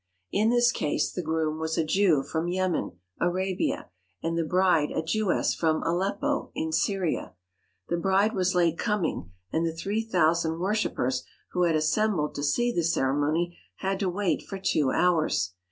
In this case the groom was a Jew from Yemen, Arabia, and the bride a Jewess from Aleppo, in Syria. The bride was late coming, and the three thou sand worshippers who had assembled to see the ceremony had to wait for two hours.